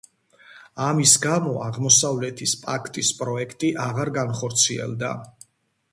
ამის გამო „აღმოსავლეთის პაქტის“ პროექტი აღარ განხორციელდა.